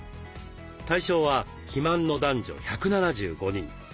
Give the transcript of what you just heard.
対象は肥満の男女１７５人。